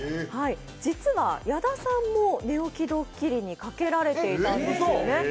実は、矢田さんも寝起きどっきりにかけられていたんですよね。